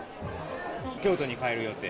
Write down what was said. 京都に帰る予定。